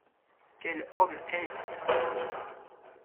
Quel homme est-ce ?